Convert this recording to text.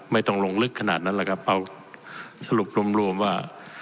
ไม่ต้องลงลึกขนาดนั้นแหละครับเอาสรุปรวมรวมว่า